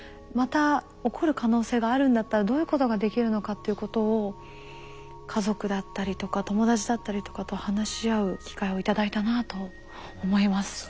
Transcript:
また起こる可能性があるんだったらどういうことができるのかっていうことを家族だったりとか友達だったりとかと話し合う機会を頂いたなと思います。